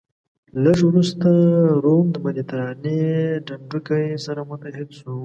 لږ وروسته روم د مدترانې ډنډوکی سره متحد شو.